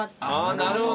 なるほど。